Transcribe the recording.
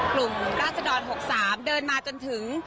กลุ่มราชดร๖๓เดินมาจนถึง